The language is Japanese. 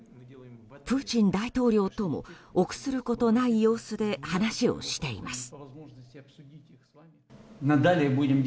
プーチン大統領とも臆することない様子で話をしています。